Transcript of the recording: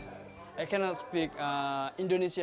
saya tidak bisa berbicara bahasa indonesia